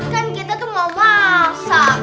kan kita tuh mau masak